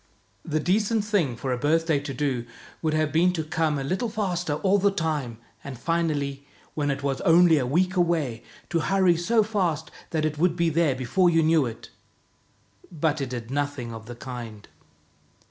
The decent thing for a birthday to do would have been to come a little faster all the time, and finally, when it was only a week away, to hurry so fast that it would be there before you knew it. But it did nothing of the kind.